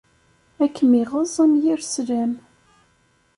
Ad kem-iɣeẓẓ am yir slam.